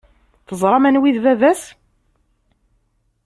Teẓram anwa i d baba-s?